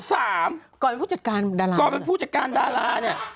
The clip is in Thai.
ก่อนเป็นผู้จัดการดาราก่อนเป็นผู้จัดการดาราเนี่ย